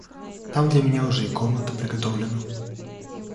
Там для меня уже и комната приготовлена.